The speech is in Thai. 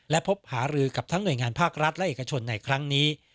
และพบหารือกับทั้งหน่วยงานภาครัฐและเอกชนในครั้งนี้